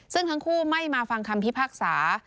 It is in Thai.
ซึ่งทั้งคู่ไม่มาฟังคำพิพากษา